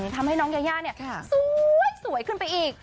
ทำให้น้องย่าเนี่ยสวยสวยขึ้นไปอีก